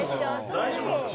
大丈夫なんですか？